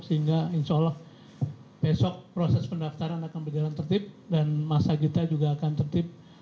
sehingga insya allah besok proses pendaftaran akan berjalan tertib dan masa kita juga akan tertib